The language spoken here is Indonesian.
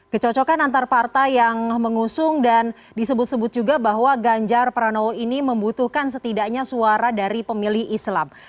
kecocokan antar partai yang mengusung dan disebut sebut juga bahwa ganjar pranowo ini membutuhkan setidaknya suara dari pemilih islam